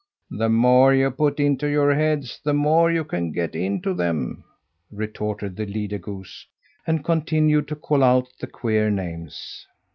"The more you put into your heads the more you can get into them," retorted the leader goose, and continued to call out the queer names.